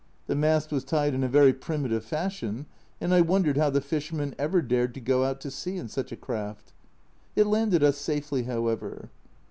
The mast was tied in a very primitive fashion, and I wondered how the fishermen ever dared to go out to sea in such a craft. It landed us safely, how ever.